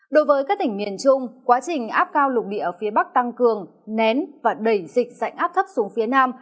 đối với các tỉnh miền trung quá trình áp cao lục địa phía bắc tăng cường nén và đẩy dịch dạnh áp thấp xuống phía nam